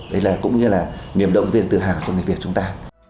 đấy cũng như là niềm động viên tự hào cho người việt chúng ta